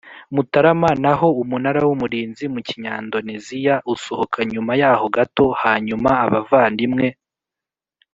Mutarama naho Umunara w Umurinzi mu kinyandoneziya usohoka nyuma yaho gato Hanyuma abavandimwe